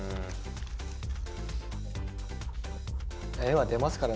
絵は出ますからね